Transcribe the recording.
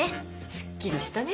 すっきりしたね。